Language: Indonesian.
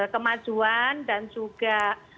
kemajuan dan juga